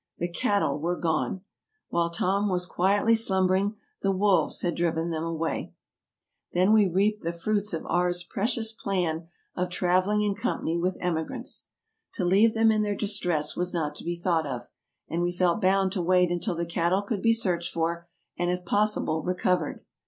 The cattle were gone ! While Tom was quietly slumbering the wolves had driven them away. Then we reaped the fruits of R.'s precious plan of trav 76 TRAVELERS AND EXPLORERS eling in company with emigrants. To leave them in their distress was not to be thought of, and we felt bound to wait until the cattle could be searched for, and, if possible, re covered.